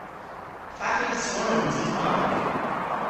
Fatel aswonons i Mark?